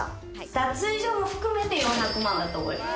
脱衣所も含めて４００万だと思います。